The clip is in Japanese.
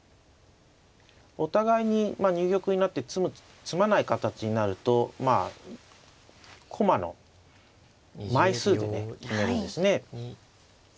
お互いに入玉になって詰まない形になるとまあ駒の枚数でね決めるんですね。